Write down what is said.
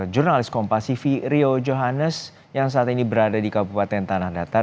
jurnalis kompasifi rio johannes yang saat ini berada di kabupaten tanah datar